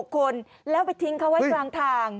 ๖คนแล้วไปทิ้งเขาไว้กลางทาง